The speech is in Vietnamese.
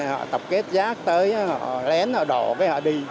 họ tập kết rác tới họ lén họ đỏ rồi họ đi